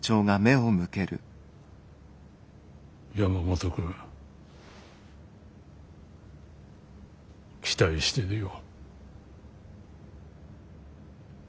山本君期待してるよ。